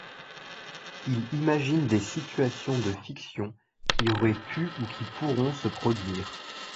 Il imagine des situations de fiction qui auraient pu ou qui pourront se produire.